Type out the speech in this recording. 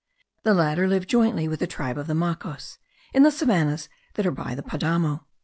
The latter live, jointly with a tribe of the Macos, in the savannahs that are by the Padamo.